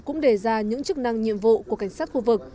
cũng đề ra những chức năng nhiệm vụ của cảnh sát khu vực